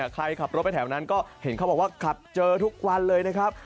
ใครขับรถไปแถวนั้นก็เห็นเขาบอกว่าขับเจอทุกวันเลยนะครับ